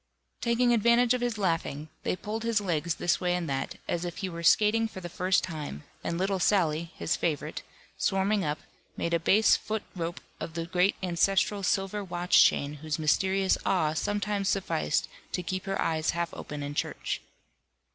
Taking advantage of his laughing, they pulled his legs this way and that, as if he were skating for the first time, and little Sally (his favourite) swarming up, made a base foot rope of the great ancestral silver watch chain whose mysterious awe sometimes sufficed to keep her eyes half open in church.